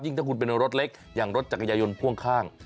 ถ้าคุณเป็นรถเล็กอย่างรถจักรยายนพ่วงข้าง